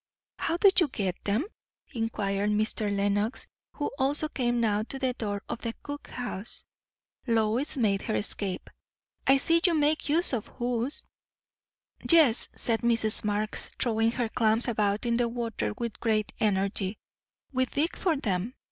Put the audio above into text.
"How do you get them?" inquired Mr. Lenox, who also came now to the door of the cook house. Lois made her escape. "I see you make use of hoes." "Yes," said Mrs. Marx, throwing her clams about in the water with great energy; "we dig for 'em.